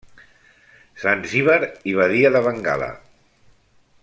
Zanzíbar i Badia de Bengala.